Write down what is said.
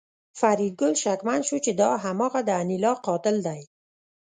فریدګل شکمن شو چې دا هماغه د انیلا قاتل دی